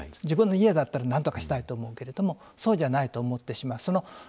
自分の家だったらなんとかしたいと思うけれどもそうじゃないと思ってしまう。